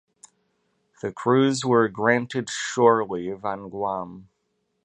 The crews were granted shore leave on Guam.